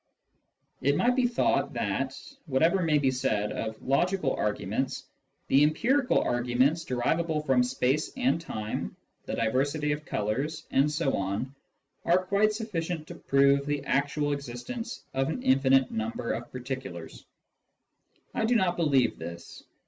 It might be thought that, whatever may be said of logical arguments, the empirical arguments derivable from space and time, the diversity of colours, etc., are quite sufficient to prove the actual existence of an infinite number of particulars. I do not believe this.